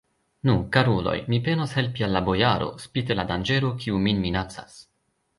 Nu, karuloj, mi penos helpi al la bojaro, spite la danĝero, kiu min minacas.